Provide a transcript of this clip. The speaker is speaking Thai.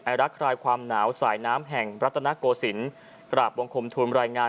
รักคลายความหนาวสายน้ำแห่งรัฐนโกศิลป์กราบวงคมทุนรายงาน